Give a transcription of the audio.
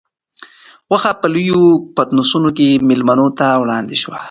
غوښه په لویو پتنوسونو کې مېلمنو ته وړاندې شوه.